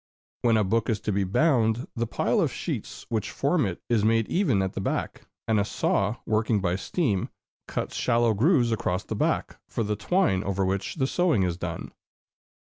When a book is to be bound, the pile of sheets which form it is made even at the back, and a saw, working by steam, cuts shallow grooves across the back, for the twine over which the sewing is done.